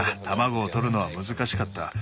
卵をとるのは難しかった。